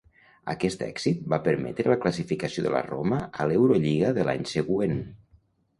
Aquest èxit va permetre la classificació de la Roma a l'Eurolliga de l'any següent.